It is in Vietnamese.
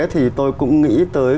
thì tôi cũng nghĩ tới